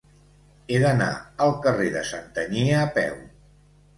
He d'anar al carrer de Santanyí a peu.